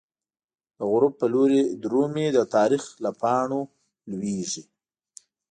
د غروب په لوری د رومی، د تاریخ له پاڼو لویزی